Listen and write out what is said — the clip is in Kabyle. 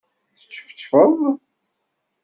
Teččefčfeḍ?